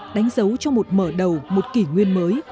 đánh dấu cho một mở đầu một kỷ nguyên mới